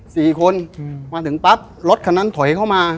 สี่คนอืมมาถึงปั๊บรถคันนั้นถอยเข้ามา